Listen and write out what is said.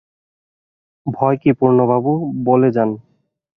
ভয় কী পূর্ণবাবু, বলে যান।